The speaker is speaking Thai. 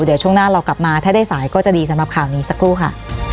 เดี๋ยวช่วงหน้าเรากลับมาถ้าได้สายก็จะดีสำหรับข่าวนี้สักครู่ค่ะ